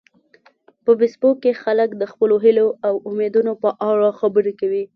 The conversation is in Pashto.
په فېسبوک کې خلک د خپلو هیلو او امیدونو په اړه خبرې کوي